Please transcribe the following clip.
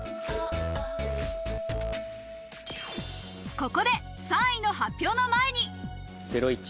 ここで３位の発表の前に。